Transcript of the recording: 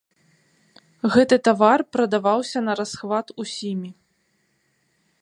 Гэты тавар прадаваўся нарасхват усімі.